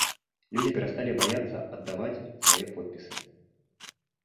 Людзі перасталі баяцца аддаваць свае подпісы.